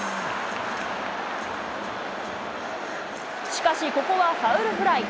しかし、ここはファウルフライ。